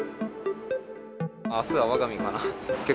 あすはわが身かなって。